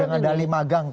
dengan dalih magang